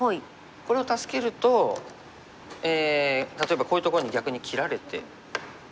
これを助けると例えばこういうとこに逆に切られて。